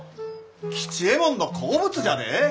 吉右衛門の好物じゃで！